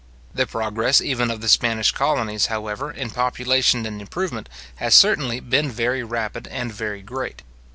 The progress even of the Spanish colonies, however, in population and improvement, has certainly been very rapid and very great.